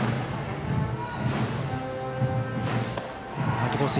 アウトコース